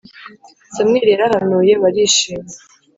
samweli yarahanuye barishima